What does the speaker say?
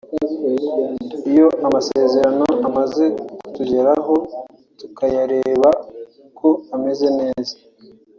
Iyo amasezerano amaze kutugeraho tukayareba ko ameze neza